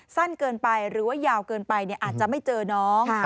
สั้นเกินไปหรือว่ายาวเกินไปอาจจะไม่เจอน้อง